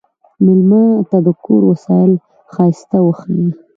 مېلمه ته د کور وسایل ښايسته وښیه.